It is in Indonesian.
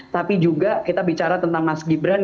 tapi juga kita bicara tentang mas gibran